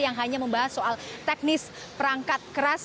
yang hanya membahas soal teknis perangkat keras